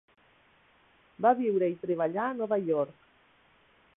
Va viure i treballar a Nova York.